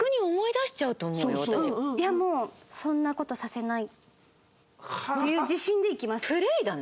いやもうそんな事させないっていう自信で行きます。